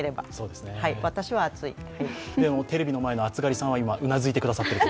でも、テレビの前の暑がりさんはうなずいてくださっている。